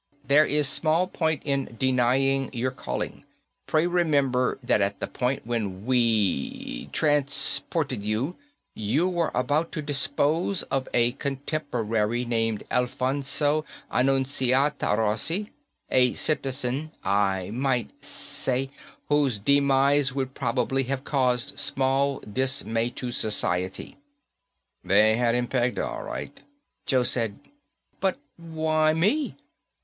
"There is small point in denying your calling. Pray remember that at the point when we ... transported you, you were about to dispose of a contemporary named Alphonso Annunziata Rossi. A citizen, I might say, whose demise would probably have caused small dismay to society." They had him pegged all right. Joe said, "But why me?